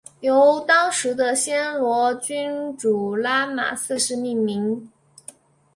由当时的暹罗君主拉玛四世命名。